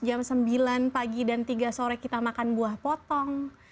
jam sembilan pagi dan tiga sore kita makan buah potong